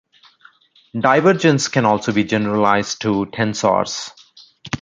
Divergence can also be generalised to tensors.